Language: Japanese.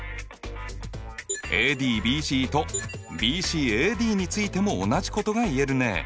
ＡＤＢＣとＢＣＡＤについても同じことが言えるね。